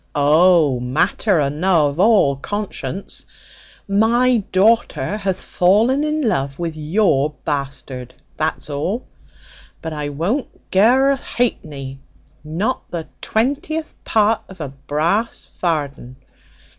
"O, matter enow of all conscience: my daughter hath fallen in love with your bastard, that's all; but I won't ge her a hapeny, not the twentieth part of a brass varden.